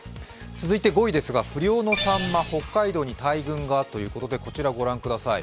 続いて５位ですが、不漁のさんま、北海道に大群かということでこちらをご覧ください。